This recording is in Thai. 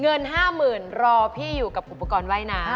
เงิน๕๐๐๐รอพี่อยู่กับอุปกรณ์ว่ายน้ำ